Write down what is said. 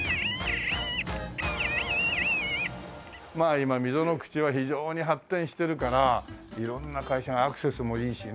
まあ今溝の口は非常に発展してるから色んな会社がアクセスもいいしね。